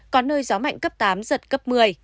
có nơi gió mạnh cấp tám giật cấp một mươi